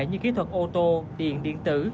như kỹ thuật ô tô điện điện tử